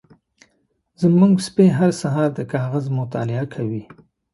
زمونږ سپی هر سهار د کاغذ مطالعه کوي.